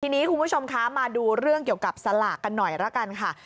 ทีนี้คุณผู้ชมคะมาดูเรื่องเกี่ยวกับสลากกันหน่อยละกันค่ะ